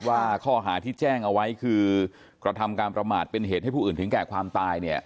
ว่าข้อหาที่แจ้งเอาไว้คือกระทำการประมาทเป็นเหตุให้ผู้อื่นถึงแก่ความตายเนี่ย